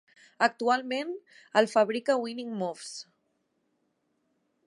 Actualment el fabrica Winning Moves.